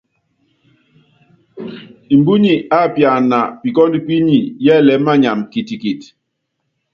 Mbúnyi ápiana pikɔ́ndɔ píni, yɛ́lɛɛ́ manyam kitikit.